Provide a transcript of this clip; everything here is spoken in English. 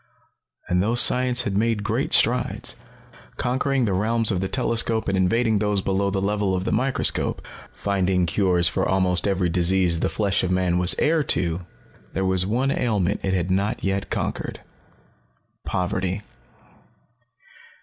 And though science had made great strides, conquering the realms of the telescope and invading those below the level of the microscope, finding cures for almost every disease the flesh of man was heir to, there was one ailment it had not yet conquered poverty.